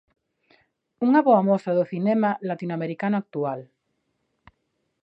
Unha boa mostra do cinema latinoamericano actual.